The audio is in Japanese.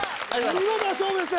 見事な勝負です